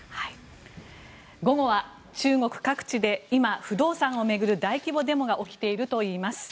午後は中国各地で今、不動産を巡る大規模デモが起きているといいます。